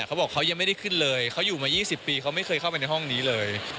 เขาบอกเขายังไม่ได้ขึ้นเลยเขาอยู่มา๒๐ปีเขาไม่เคยเข้าไปในห้องนี้เลย